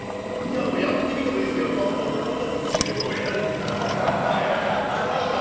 やってみてもいいですけど多分、後頭部打ちつけてえらい空気になる。